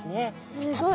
すごい！